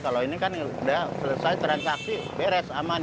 kalau ini kan sudah selesai transaksi beres aman